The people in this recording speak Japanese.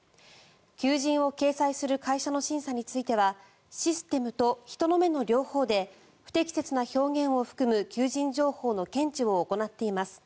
求人を掲載する会社の審査についてはシステムと人の目の両方で不適切な表現を含む求人情報の検知を行っています